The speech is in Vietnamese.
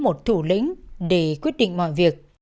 một thủ lĩnh để quyết định mọi việc